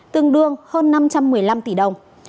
tương đương hơn năm trăm một mươi năm tỷ đồng